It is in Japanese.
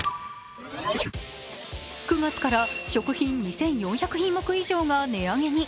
９月から食品２４００品目以上が値上げに。